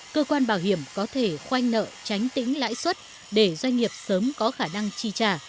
cơ quan bảo hiểm có thể khoanh nợ tránh tính lãi suất để doanh nghiệp sớm có khả năng chi trả